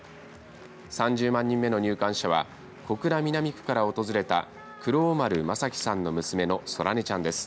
３０万人目の入館者は小倉南区から訪れた黒尾丸真季さんの娘の宙音ちゃんです。